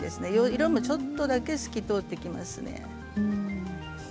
色もちょっとだけ透きとおっていきます。